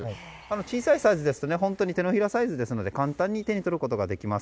小さいサイズですと手のひらサイズですので簡単に手に取ることができます。